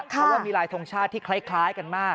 เพราะว่ามีลายทรงชาติที่คล้ายกันมาก